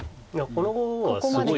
この碁はすごいです。